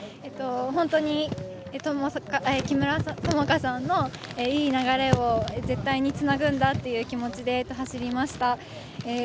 本当に木村友香さんのいい流れを絶対につなぐんだという気持ちで走りました。